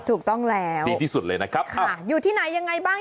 ถูกต้องแล้วดีที่สุดเลยนะครับค่ะอยู่ที่ไหนยังไงบ้าง